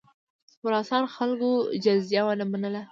خراسان خلکو جزیه ونه منله.